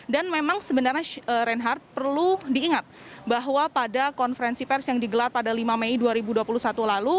dan memang sebenarnya reinhard perlu diingat bahwa pada konferensi pers yang digelar pada lima mei dua ribu dua puluh satu lalu